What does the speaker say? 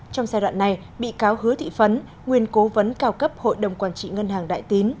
trong giai đoạn này bị cáo hứa thị phấn nguyên cố vấn cao cấp hội đồng quản trị ngân hàng đại tín